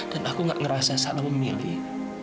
dan aku gak ngerasa salah memilih